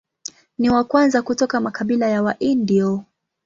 Ni wa kwanza kutoka makabila ya Waindio.